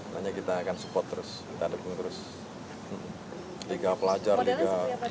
makanya kita akan support terus kita dukung terus liga pelajar liga mahasiswa liga macam macam